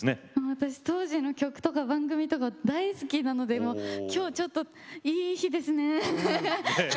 私当時の曲とか番組とか大好きなのでもうきょうちょっといい日ですねえ。